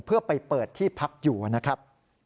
เพื่อไปเปิดที่พักอยู่นะครับ